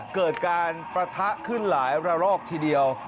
เกิดการปะทะขึ้นหลายระลอกทีเดียว